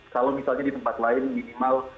kalau misalnya di tempat lain minimal